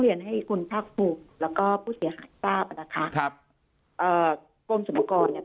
เรียนให้คุณท่าครูแล้วก็ผู้เสียหายทราบนะคะกรมสมกร